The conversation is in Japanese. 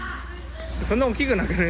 そんな大きくなくね？